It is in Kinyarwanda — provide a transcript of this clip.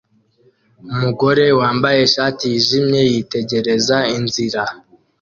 Umugore wambaye ishati yijimye yitegereza inzira